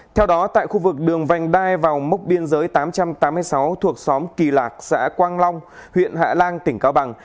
theo đó tại khu vực đường vành đai vào mốc biên giới tám trăm tám mươi sáu thuộc xóm kỳ lạc xã quang long huyện hạ lan tỉnh cao bằng